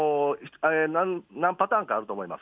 何パターンかあると思います。